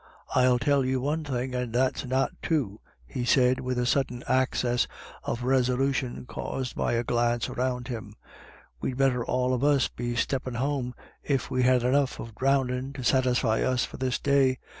" I'll tell you one thing, and that's not two," he said, with a sudden access of resolution caused by a glance around him, " we'd better all of us be steppin' home, if we've had enough of dhrownding to satisfy 202 IRISH IDYLLS. us for this day.